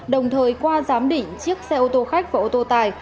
đồng thời qua giám định chiếc xe ô tô khách và ô tô tài